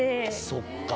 そっか。